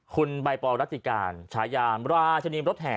คุณบายปอรี่งรัฐริการฉายามราชนีบรถแห่